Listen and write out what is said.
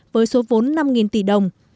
với số vốn năm tỷ đồng